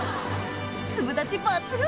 粒立ち抜群！